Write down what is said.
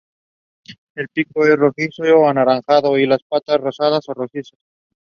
El pico es rojizo o anaranjado y las patas rosadas o rojizas.